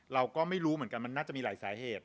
เราก็ไม่รู้เหมือนกันมันน่าจะมีหลายสาเหตุ